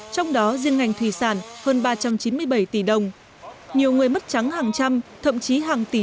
trong đó riêng ngành thủy sản hơn ba trăm chín mươi bảy tỷ đồng nhiều người mất trắng hàng trăm thậm chí hàng tỷ